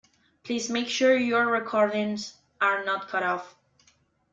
Please make sure your recordings are not cut off.